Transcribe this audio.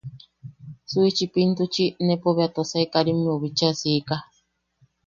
Suichipintuchi nepo bea Tosai Karimmeu bicha siika.